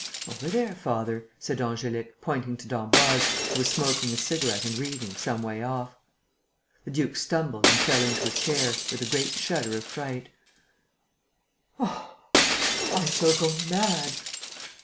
"Over there, father," said Angélique, pointing to d'Emboise, who was smoking a cigarette and reading, some way off. The duke stumbled and fell into a chair, with a great shudder of fright: "Oh, I shall go mad!"